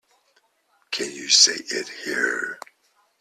Can you say it here?